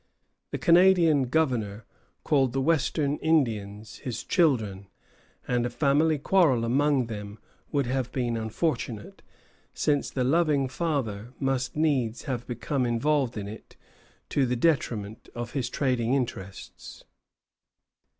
The Canadian governor called the western Indians his "children," and a family quarrel among them would have been unfortunate, since the loving father must needs have become involved in it, to the detriment of his trading interests.